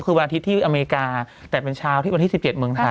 คือวันอาทิตย์ที่อเมริกาแต่เป็นเช้าที่วันที่๑๗เมืองไทย